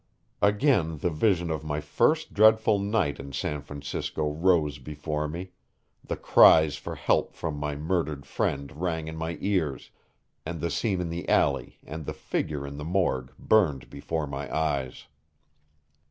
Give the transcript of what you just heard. Again the vision of my first dreadful night in San Francisco rose before me, the cries for help from my murdered friend rang in my ears, and the scene in the alley and the figure in the morgue burned before my eyes.